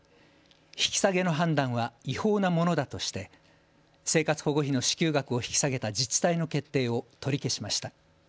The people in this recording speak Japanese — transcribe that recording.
引き下げの判断は違法なものだとして生活保護費の支給額を引き下げた自治体の決定を取り消しました。